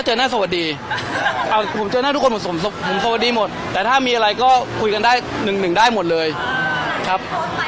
แล้วคุณคิดว่าจะคุยกับเขาคุณคิดว่ากันอะไรกับเขากัน